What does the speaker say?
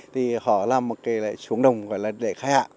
thì họ làm một cái lễ xuống đồng gọi là lễ khai hạ